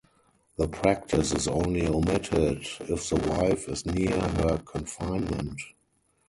The practice is only omitted if the wife is near her confinement.